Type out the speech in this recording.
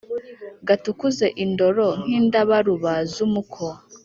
gatukuze indoro nk'indabaruba z' umuko ;